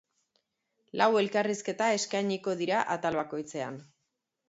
Lau elkarrizketa eskainiko dira atal bakoitzean.